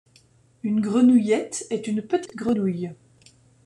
Une grenouillette est une petite grenouille.